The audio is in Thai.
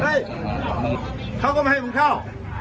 เฮ้ยเขาก็ไม่ให้ผมเข้า